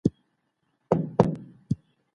که په سیسټم کي پښتو ژبه نه وي نو پښتو نه لیکل کېږي.